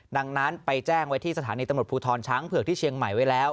ดังนั้นไปแจ้งไว้ที่สถานีตำรวจภูทรช้างเผือกที่เชียงใหม่ไว้แล้ว